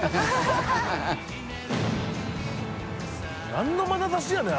なんのまなざしやねん？